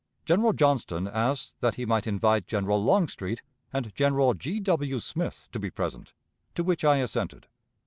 General Johnston asked that he might invite General Longstreet and General G. W. Smith to be present, to which I assented.